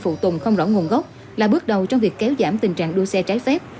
phụ tùng không rõ nguồn gốc là bước đầu trong việc kéo giảm tình trạng đua xe trái phép